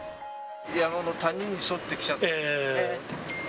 山の谷に沿って来ちゃったね。